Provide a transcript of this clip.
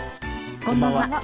こんばんは。